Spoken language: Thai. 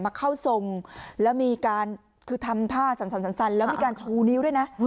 เข้าทรงแล้วมีการคือทำท่าสั่นแล้วมีการชูนิ้วด้วยนะ